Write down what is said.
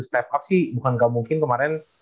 step up sih bukan gak mungkin kemarin